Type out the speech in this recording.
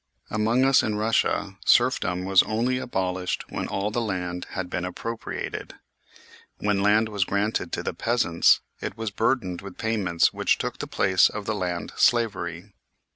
Among us in Kussia serfdom was only abolished when all the land had been appropriated. When land was granted to the peasants, it was burdened with payments which took the place of the land slavery.